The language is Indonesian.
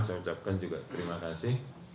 saya ucapkan juga terima kasih